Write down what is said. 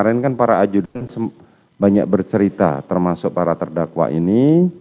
kemarin kan para ajudan banyak bercerita termasuk para terdakwa ini